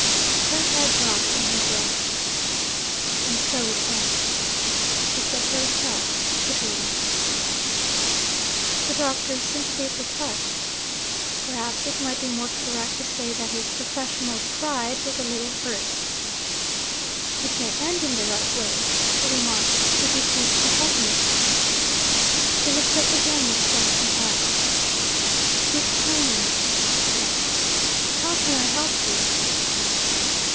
Her head dropped on her breast. 'And so it ends!' she said to herself bitterly. The Doctor's sympathies were touched. Perhaps it might be more correct to say that his professional pride was a little hurt. 'It may end in the right way yet,' he remarked, 'if you choose to help me.' She looked up again with flashing eyes, 'Speak plainly,' she said. 'How can I help you?'